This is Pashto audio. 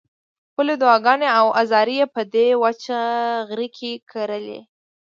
خپلې دعاګانې او زارۍ یې په دې وچ غره کې کرلې.